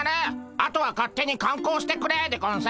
あとは勝手に観光してくれでゴンス。